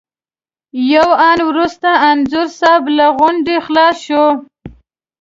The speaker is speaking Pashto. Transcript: یو آن وروسته انځور صاحب له غونډې خلاص شو.